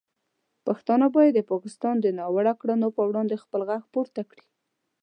پښتانه باید د پاکستان د ناروا کړنو پر وړاندې خپل غږ پورته کړي.